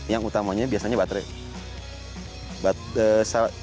yang utamanya biasanya baterai